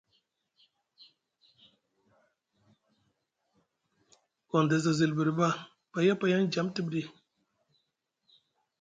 Gondes a zilbiɗi ɓa pay a payaŋ djam tiɓ ɗi ?